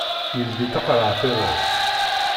Yeldi taqerɛet-iḍen.